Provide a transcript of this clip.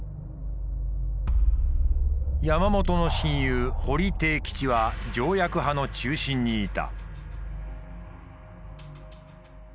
山本の親友堀悌吉は条約派の中心にいた。